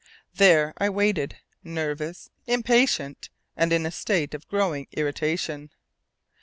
There I waited, nervous, impatient, and in a state of growing irritation.